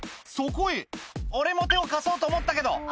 そこへ「俺も手を貸そうと思ったけど」